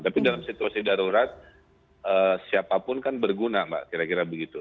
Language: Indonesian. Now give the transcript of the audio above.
tapi dalam situasi darurat siapapun kan berguna mbak kira kira begitu